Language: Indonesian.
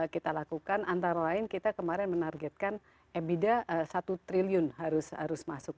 kita lakukan antara lain kita kemarin menargetkan ebida satu triliun harus masuk